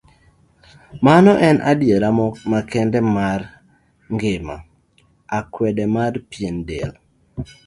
Mano en adiera makende mar ng'ima, akwede mar pien del.